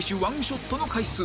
１ショットの回数